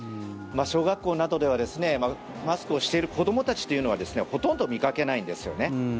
小学校などではマスクをしている子どもたちというのはほとんど見かけないんですよね。